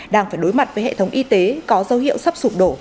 đang phải đối mặt với hệ thống y tế có dấu hiệu sắp sụp đổ